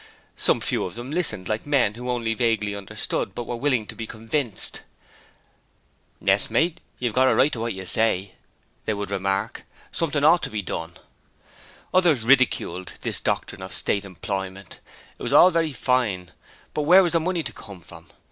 Some few of them listened like men who only vaguely understood, but were willing to be convinced. 'Yes, mate. It's right enough what you say,' they would remark. 'Something ought to be done.' Others ridiculed this doctrine of State employment: It was all very fine, but where was the money to come from?